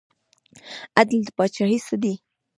عدل د پاچاهۍ څه دی؟